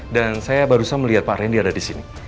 dan saya baru saja melihat pak rendy ada disini